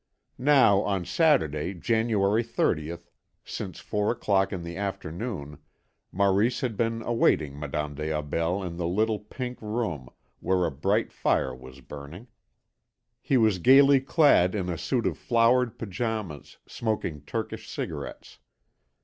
Now on Saturday, January 30th, since four o'clock in the afternoon, Maurice had been awaiting Madame des Aubels in the little pink room, where a bright fire was burning. He was gaily clad in a suit of flowered pyjamas, smoking Turkish cigarettes.